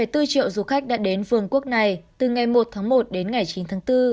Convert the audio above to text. một bốn triệu du khách đã đến vườn quốc này từ ngày một tháng một đến ngày chín tháng bốn